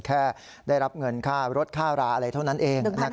แค่ได้รับเงินค่ารถค่าราอะไรเท่านั้นเอง